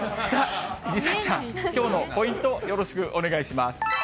梨紗ちゃん、きょうのポイント、よろしくお願いします。